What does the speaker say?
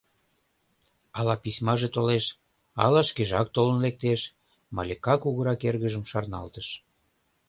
Ала письмаже толеш, ала шкежак толын лектеш, — Малика кугурак эргыжым шарналтыш.